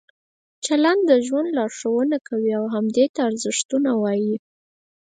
چلند د ژوند لارښوونه کوي او همدې ته ارزښتونه وایي.